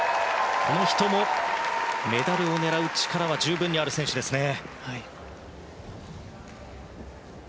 この人もメダルを狙う力は十分にある選手ですね。